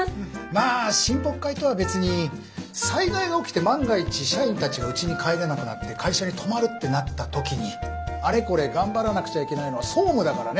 まあ親睦会とは別に災害が起きて万が一社員たちがうちに帰れなくなって会社に泊まるってなった時にあれこれ頑張らなくちゃいけないのは総務だからね。